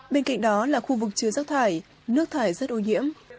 bên cạnh đó là khu vực chứa rác thải nước thải rất ô nhiễm